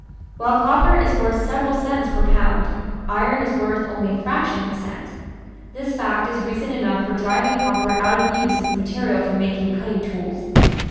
While copper is worth several cents per pound, iron is worth only a fraction of a cent. This fact is reason enough for driving copper out of use as a material for making cutting tools.